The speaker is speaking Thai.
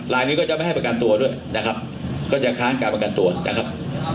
ลายนี้ก็จะไม่ให้ประกันตัวด้วยนะครับก็จะค้างการประกันตัวนะครับ